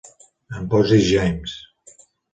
Em pots dir James.